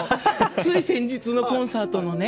つい先日のコンサートのね